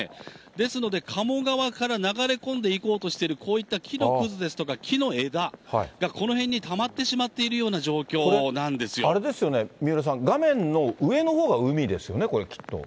ですので、加茂川から流れ込んでいこうとしているこういった木のくずですとか、木の枝が、この辺にたまってしまっているような状これ、あれですよね、三浦さん、画面の上のほうが海ですよね、これきっと。